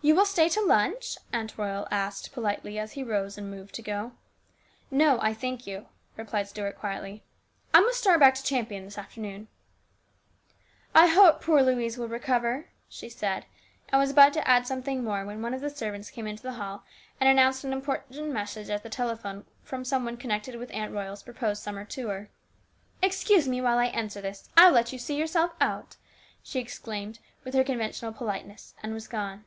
" You will stay to lunch ?" Aunt Royal asked politely, as he rose and moved to go. " No, I thank you," replied Stuart quietly. "I must start back to Champion this afternoon." " I hope poor Louise will recover," she said, and was about to add something more, when one of the servants came into the hall and announced an important message at the telephone from some one connected with Aunt Royal's proposed summer tour. " Excuse me while I answer this. I will let you see yourself out !" she exclaimed with her conventional politeness, and was gone.